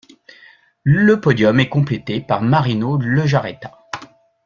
Le podium est complété par Marino Lejarreta.